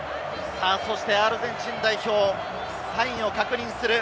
そしてアルゼンチン代表、サインを確認する。